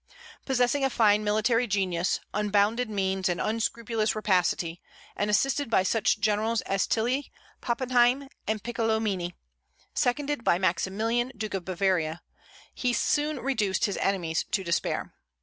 Possessing a fine military genius, unbounded means, and unscrupulous rapacity, and assisted by such generals as Tilly, Pappenheim, and Piccolomini, seconded by Maximilian, Duke of Bavaria, he soon reduced his enemies to despair.